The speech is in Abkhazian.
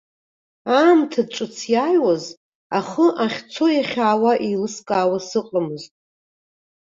Аамҭа ҿыц иааиуаз ахы ахьцо-иахьаауа еилыскаауа сыҟамызт.